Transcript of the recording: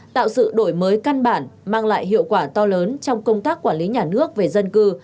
tạo sự đổi mới căn bản mang lại hiệu quả to lớn trong công tác quản lý nhà nước về dân cư